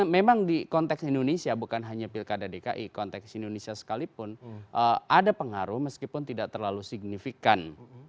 memang di konteks indonesia bukan hanya pilkada dki konteks indonesia sekalipun ada pengaruh meskipun tidak terlalu signifikan